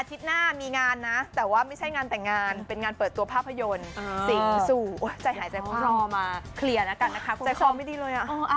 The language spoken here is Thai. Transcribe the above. อาทิตย์หน้ามีงานนะแต่ว่าไม่ใช่งานแต่งงานเป็นงานเปิดตัวภาพยนตร์สิงสู่ใจหายใจภาพ